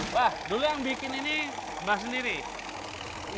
wah dulu yang bikin ini mbah sendiri